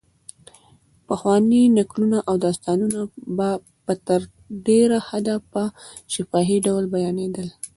پخواني نکلونه او داستانونه په تر ډېره حده په شفاهي ډول بیانېدل.